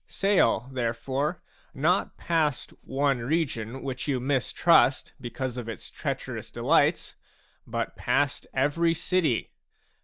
Sail, therefore, not past one region wluch you mistrust because of its treacherous delights, but past every city.